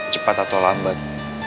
cepat atau lambat